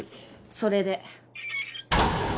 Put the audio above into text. それで。